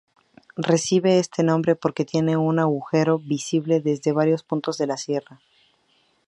Recibe este nombre porque tiene un agujero visible desde varios punto de la Sierra.